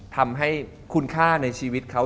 ทำให้คุณค่าในชีวิตเขา